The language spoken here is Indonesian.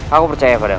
aku percaya padamu